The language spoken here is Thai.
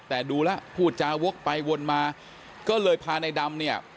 แต่ดูแล้วพูดจาวกไปวนมาก็เลยพาในดำเนี่ย